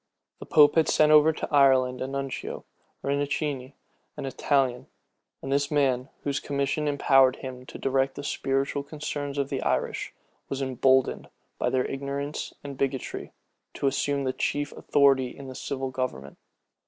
The pope had sent over to Ireland a nuncio, Rinuccini, an Italian; and this man, whose commission empowered him to direct the spiritual concerns of the Irish, was emboldened, by their ignorance and bigotry, to assume the chief authority in the civil government.